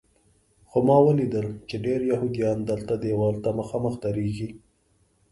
خو ما ولیدل چې ډېر یهودیان دلته دیوال ته مخامخ درېږي.